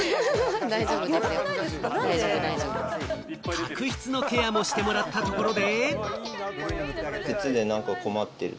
角質のケアもしてもらったところで。